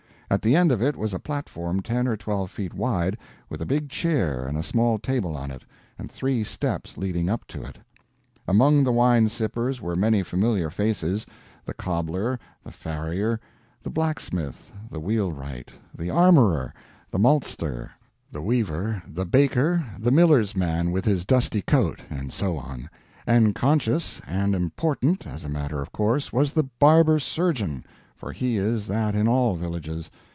At the end of it was a platform ten or twelve feet wide, with a big chair and a small table on it, and three steps leading up to it. Among the wine sippers were many familiar faces: the cobbler, the farrier, the blacksmith, the wheelwright, the armorer, the maltster, the weaver, the baker, the miller's man with his dusty coat, and so on; and conscious and important, as a matter of course, was the barber surgeon, for he is that in all villages.